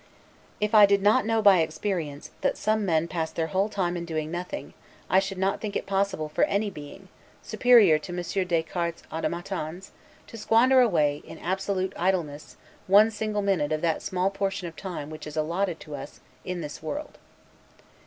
If I did not know by experience, that some men pass their whole time in doing nothing, I should not think it possible for any being, superior to Monsieur Descartes' automatons, to squander away, in absolute idleness, one single minute of that small portion of time which is allotted us in this world.